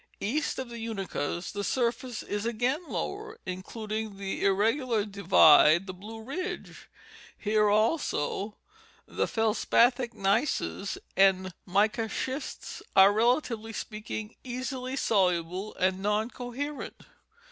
East of the Unakas the surface is again lower, including the irregular divide, the Blue Ridge ; here also, the feldspathic gneisses and mica schists are, relatively speaking, easily soluble, and non coherent.